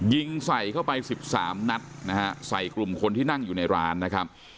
ยิงใส่เข้าไปสิบสามนัดนะฮะใส่กลุ่มคนที่นั่งอยู่ในร้านนะครับ